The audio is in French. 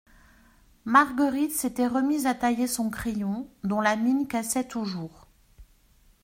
Marguerite s'était remise à tailler son crayon, dont la mine cassait toujours.